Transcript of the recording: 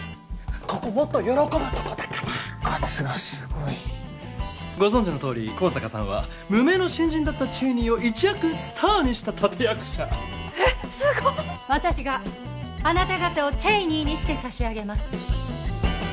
ここもっと喜ぶとこだから圧がすごいご存じのとおり香坂さんは無名の新人だったＣＨＡＹＮＥＹを一躍スターにした立役者えっすごい私があなた方をＣＨＡＹＮＥＹにして差し上げます